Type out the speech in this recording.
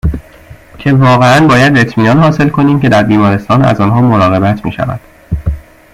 که واقعاً باید اطمینان حاصل کنیم که در بیمارستان از آنها مراقبت میشود